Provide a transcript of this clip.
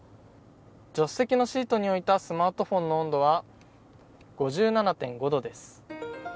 助手席に置いたスマートフォンの温度は５７．５度です。